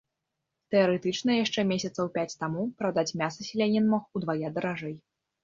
Тэарэтычна яшчэ месяцаў пяць таму прадаць мяса селянін мог удвая даражэй.